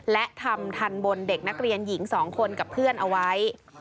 และทำทันบนเด็กนักเรียนหญิง๒คนกับเพื่อนเอาไว้